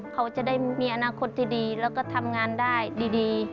เขาจะได้มีอนาคตที่ดีแล้วก็ทำงานได้ดี